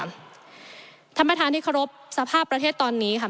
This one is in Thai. ท่านประธานที่เคารพสภาพประเทศตอนนี้ค่ะ